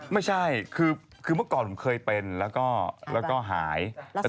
ไม่ใช่คือเมื่อก่อนผมเคยเป็นแล้วก็หาย